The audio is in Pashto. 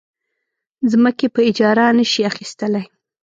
ځمکې په اجاره نه شي اخیستلی.